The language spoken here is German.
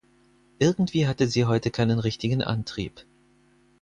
Irgendwie hatte sie heute keinen richtigen Antrieb.